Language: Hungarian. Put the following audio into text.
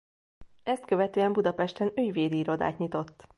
Ezt követően Budapesten ügyvédi irodát nyitott.